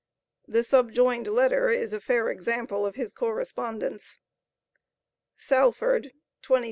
The subjoined letter is a fair sample of his correspondence: SALFORD, 22,1857.